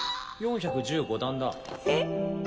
４１５段だへっ？